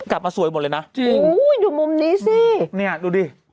กลับมาสวยหมดเลยนะจริงโอ้โหอยู่มุมนี้สิเนี่ยดูดิ